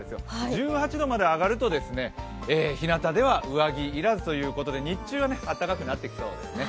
１８度まで上がるとひなたでは上着いらずということで、日中は暖かくなってきそうですね。